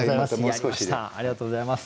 ありがとうございます。